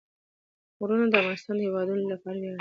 غرونه د افغانستان د هیوادوالو لپاره ویاړ دی.